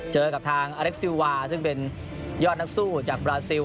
เจอกับทางอเล็กซิลวาซึ่งเป็นยอดนักสู้จากบราซิล